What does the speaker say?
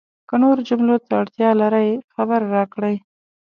که نورو جملو ته اړتیا لرئ، خبر راکړئ!